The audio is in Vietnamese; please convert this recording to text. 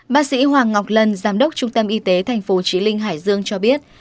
bác sĩ hoàng ngọc lân giám đốc trung tâm y tế tp chí linh hải dương cho biết